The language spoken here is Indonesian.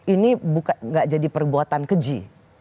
ini bukan nggak jadi perbuatan keji